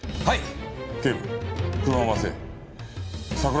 はい。